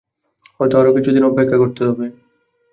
হয়তো আরো কিছুদিন অপেক্ষা করতে হবে।